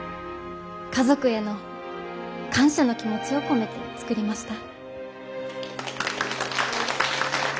家族への感謝の気持ちを込めて作りました。